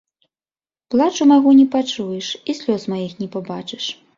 Плачу майго не пачуеш і слёз маіх не пабачыш.